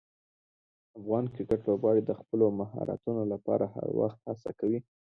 افغان کرکټ لوبغاړي د خپلو مهارتونو لپاره هر وخت هڅه کوي.